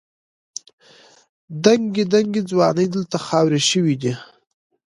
دنګې دنګې ځوانۍ دلته خاورې شوې دي.